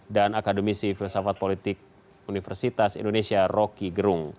dan akademisi filsafat politik universitas indonesia roky gerung